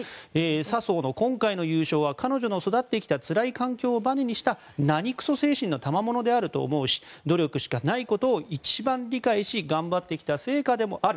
笹生の今回の優勝は彼女の育ってきたつらい環境をばねにした何くそ精神の賜物であると思うし努力しかないことを一番理解し頑張ってきた成果でもある。